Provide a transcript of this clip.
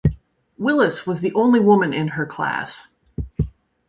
Willis was the only woman in her class.